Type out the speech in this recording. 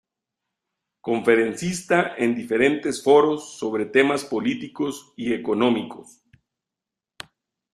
Conferencista en diferentes foros sobre temas políticos y económicos.